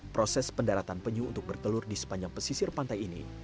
proses pendaratan penyu untuk bertelur di sepanjang pesisir pantai ini